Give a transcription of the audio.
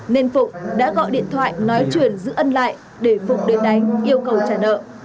nên phụng đã gọi điện thoại nói truyền giữ ân lại để phụng đưa đánh yêu cầu trả nợ